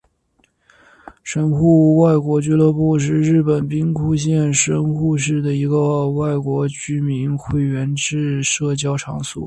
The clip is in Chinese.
神户外国俱乐部是日本兵库县神户市的一个外国居民会员制社交场所。